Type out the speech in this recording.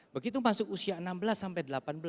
begitu masuk usia enam belas sampai delapan belas